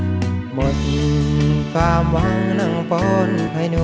กับลูกเศรษฐีดีกลีหนุ่มธนาคารเครื่องไฟในงานดังปันวะพาพาห่วง